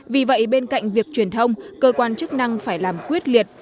vì vậy bên cạnh việc truyền thông cơ quan chức năng phải làm quyết liệt